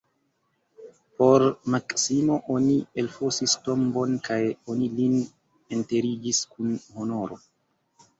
Por Maksimo oni elfosis tombon kaj oni lin enterigis kun honoro.